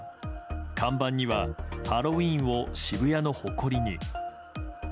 看板には「ハロウィーンを渋谷の誇りに」。